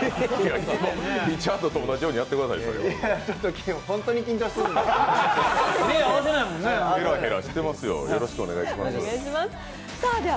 リチャードと同じようにやってください、それは。